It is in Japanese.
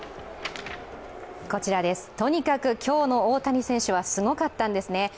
とにかく今日の大谷選手はすごかったんですね。